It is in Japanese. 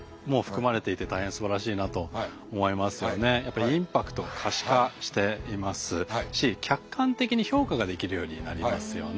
あのやはりやっぱりインパクトを可視化していますし客観的に評価ができるようになりますよね。